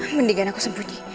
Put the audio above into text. mendingan aku sembunyi